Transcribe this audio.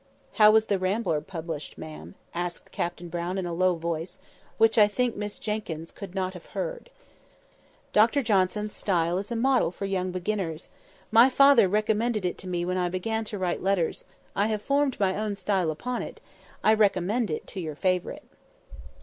"How was the Rambler published, ma'am?" asked Captain Brown in a low voice, which I think Miss Jenkyns could not have heard. "Dr Johnson's style is a model for young beginners. My father recommended it to me when I began to write letters—I have formed my own style upon it; I recommended it to your favourite."